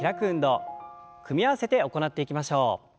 組み合わせて行っていきましょう。